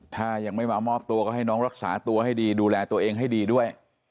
ถ้ายังไม่มามอบตัวก็ให้น้องรักษาตัวให้ดีดูแลตัวเองให้ดีด้วย